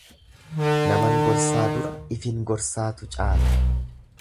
Naman gorsaa dura ifiin gorsaatu caala.